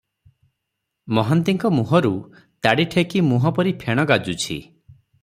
ମହାନ୍ତିଙ୍କ ମୁହଁରୁ ତାଡ଼ିଠେକି ମୁହଁ ପରି ଫେଣ ଗାଜୁଛି ।